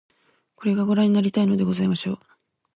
これが御覧になりたいのでございましょう